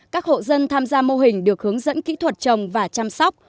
các hộ dân tham gia mô hình được hướng dẫn kỹ thuật trồng và chăm sóc